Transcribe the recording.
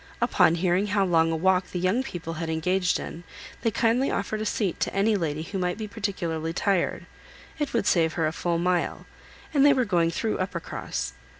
Upon hearing how long a walk the young people had engaged in, they kindly offered a seat to any lady who might be particularly tired; it would save her a full mile, and they were going through Uppercross.